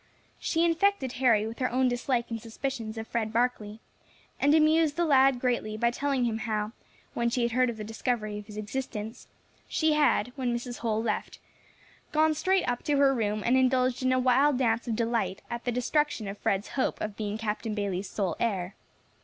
She infected Harry with her own dislike and suspicions of Fred Barkley, and amused the lad greatly by telling him how, when she had heard of the discovery of his existence, she had, when Mrs. Holl left, gone straight up to her room and indulged in a wild dance of delight at the destruction of Fred's hope of being Captain Bayley's sole heir.